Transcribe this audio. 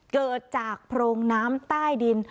เกิดจากโพรงน้ำใต้ดิน